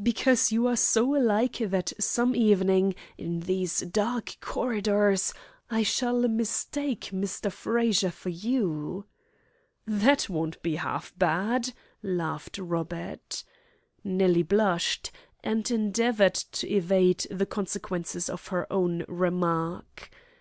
"Because you are so alike that some evening, in these dark corridors, I shall mistake Mr. Frazer for you." "That won't be half bad," laughed Robert. Nellie blushed, and endeavoured to evade the consequences of her own remark.